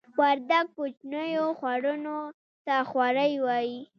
وردګ کوچنیو خوړونو ته خوړۍ وایې